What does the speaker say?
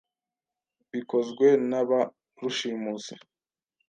bikozwe na ba rushimusi